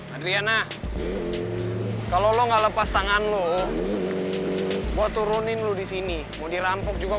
adriana kalau lo nggak lepas tangan lo bawa turunin lu disini mau dirampok juga